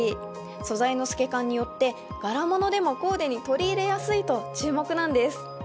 素材の透け感によって柄物でもコーデに取り入れやすいと注目なんです。